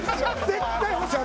絶対欲しい！